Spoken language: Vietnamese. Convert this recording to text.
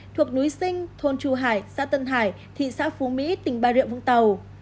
thuộc núi sinh thôn chù hải xã tân hải thị sáp phú mỹ tỉnh ba rượu vũng tàu